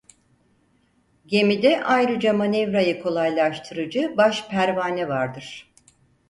Gemide ayrıca manevrayı kolaylaştırıcı baş pervane vardır.